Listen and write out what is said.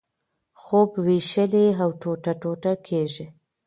خوب وېشلی او ټوټه ټوټه کېږي.